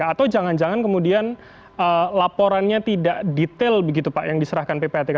atau jangan jangan kemudian laporannya tidak detail begitu pak yang diserahkan ppatk